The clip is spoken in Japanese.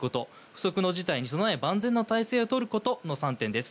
不測の事態に備え万全の態勢を取ることの３点です。